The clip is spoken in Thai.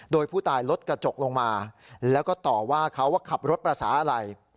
โดยผู้ตายลดกระจกลงมาแล้วก็ต่อว่าเขาว่าขับรถภาษาอะไร